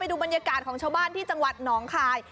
ดูบรรยากาศของชาวบ้านที่จังหวัดหนองคาย